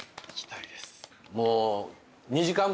もう。